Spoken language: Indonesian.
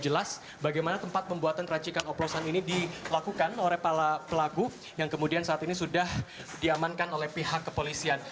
jelas bagaimana tempat pembuatan racikan oplosan ini dilakukan oleh para pelaku yang kemudian saat ini sudah diamankan oleh pihak kepolisian